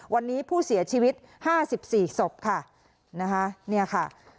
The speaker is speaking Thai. วันนี้ผู้เสียชีวิต๕๔ศพค่ะนะคะเนี่ยค่ะ